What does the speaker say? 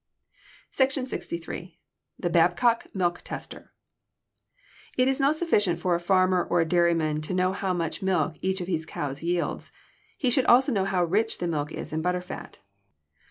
SECTION LXIII. THE BABCOCK MILK TESTER It is not sufficient for a farmer or a dairyman to know how much milk each of his cows yields. He should also know how rich the milk is in butter fat.